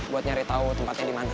buat nyari tahu tempatnya di mana